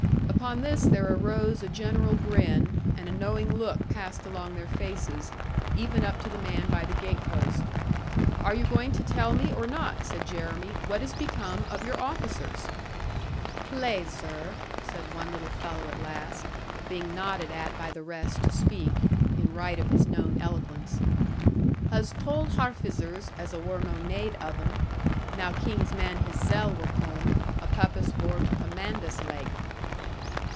Upon this there arose a general grin, and a knowing look passed along their faces, even up to the man by the gatepost. 'Are you going to tell me, or not,' said Jeremy, 'what is become of your officers?' 'Plaise zur,' said one little fellow at last, being nodded at by the rest to speak, in right of his known eloquence; 'hus tould Harfizers, as a wor no nade of un, now King's man hiszell wor coom, a puppose vor to command us laike.'